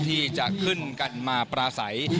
ที่จะขึ้นกันมาปราศัย